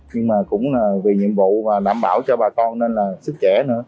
nhưng mà cũng là vì nhiệm vụ và đảm bảo cho bà con nên là sức trẻ nữa